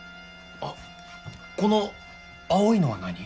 あっこの青いのは何？